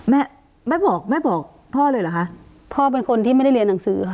แม่ไม่บอกแม่บอกพ่อเลยเหรอคะพ่อเป็นคนที่ไม่ได้เรียนหนังสือค่ะ